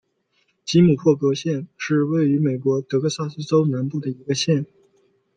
吉姆霍格县是位于美国德克萨斯州南部的一个县。